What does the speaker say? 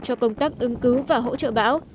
cho công tác ứng cứu và hỗ trợ bão